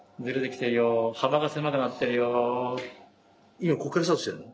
今ここからスタートしてんの？